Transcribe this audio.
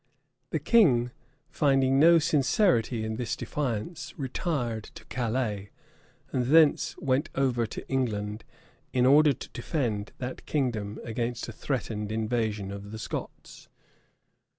The king, finding no sincerity in this defiance, retired to Calais, and thence went over to England, in order to defend that kingdom against a threatened invasion of the Scots.